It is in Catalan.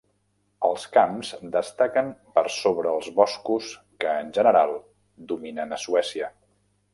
Els camps destaquen per sobre els boscos que en general dominen a Suècia.